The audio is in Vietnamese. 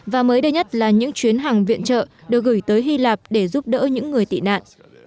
và mới đây nhất là những chuyến hàng viện trợ được gửi tới hy lạp để giúp đỡ những người tị nạn